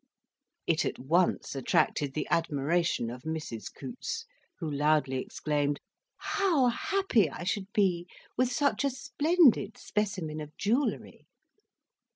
It at once attracted the admiration of Mrs. Coutts, who loudly exclaimed, "How happy I should be with such a splendid specimen of jewellery."